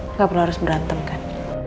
nggak perlu harus berantem kan